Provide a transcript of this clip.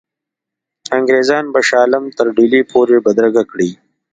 انګرېزان به شاه عالم تر ډهلي پوري بدرګه کړي.